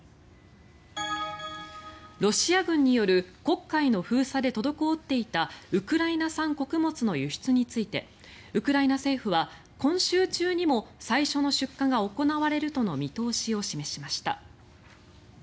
ロシア軍による黒海の封鎖で滞っていたウクライナ産穀物の輸出についてウクライナ政府は今週中にも最初の出荷が行われるとの見通しを示しました。